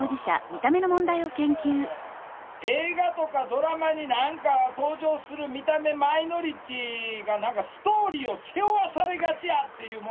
映画とかドラマに何か登場する見た目マイノリティーが何かストーリーを背負わされがちやっていう問題。